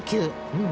うん。